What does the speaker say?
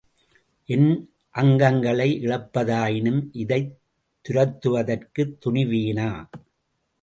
என் அங்கங்களை இழப்பதாயினும், இதைத் துரத்துவதற்குத் துணிவேனா?